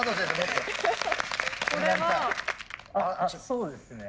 そうですね。